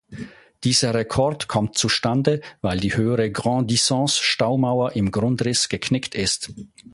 Dieser Rekord kommt zustande, weil die höhere "Grande-Dixence"-Staumauer im Grundriss geknickt ist.